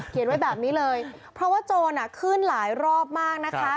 ไว้แบบนี้เลยเพราะว่าโจรขึ้นหลายรอบมากนะคะ